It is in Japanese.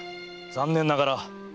残念ながら。